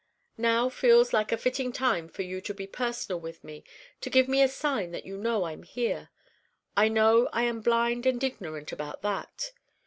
Now feels like a fitting time for you to be personal with me, to give me a sign that you know I'm here. I know I am blind and ignorant about that.